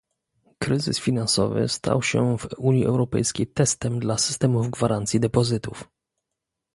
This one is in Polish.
Kryzys finansowy stał się w Unii Europejskiej testem dla systemów gwarancji depozytów